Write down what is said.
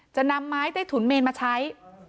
จะนำไม้ตั้งศุลมาใช้